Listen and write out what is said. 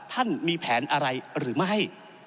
ท่านมีแผนอะไรหรือไม่